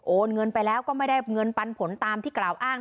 เงินไปแล้วก็ไม่ได้เงินปันผลตามที่กล่าวอ้าง